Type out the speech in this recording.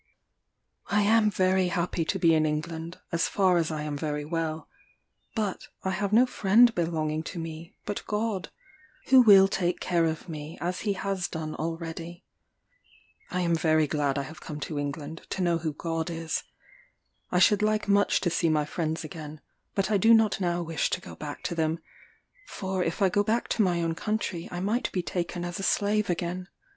"I am very happy to be in England, as far as I am very well; but I have no friend belonging to me, but God, who will take care of me as he has done already. I am very glad I have come to England, to know who God is. I should like much to see my friends again, but I do not now wish to go back to them: for if I go back to my own country, I might be taken as a slave again.